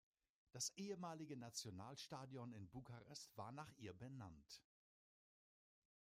Das ehemalige Nationalstadion in Bukarest war nach ihr benannt.